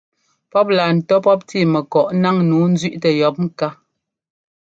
Pɔ́p laa ńtɔ́ pɔ́p tíi mɛkɔꞌ ńnáŋ nǔu ńzẅíꞌtɛ yɔ̌p ŋká.